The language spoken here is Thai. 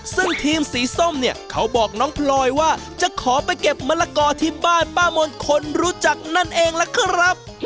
ซึ่งทีมสีส้มเนี่ยเขาบอกน้องพลอยว่าจะขอไปเก็บมะละกอที่บ้านป้ามนต์คนรู้จักนั่นเองล่ะครับ